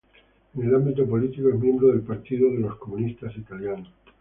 En el ámbito político, es miembro del Partido de los Comunistas Italianos.